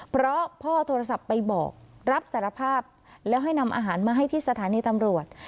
เพราะพ่อโทรศัพท์ไปบอกรับสารภาพแล้วให้นำอาหารมาให้ที่สถานีตำรวจ